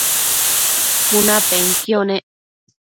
cunapenquio nec